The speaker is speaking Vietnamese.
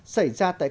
xảy ra tại công ty